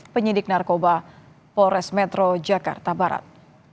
penyidik narkoba polres metro jakarta barat